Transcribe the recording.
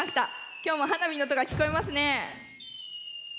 今日も花火の音が聞こえますね。